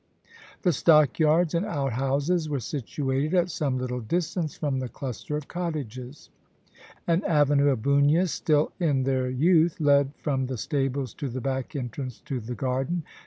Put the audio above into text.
The stockyards and outhouses were situated at some little distance from the cluster of cottages. An avenue of bunyas, still in their youth, led from the stables to the back entrance to the garden.